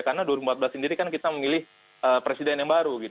karena dua ribu empat belas sendiri kan kita memilih presiden yang baru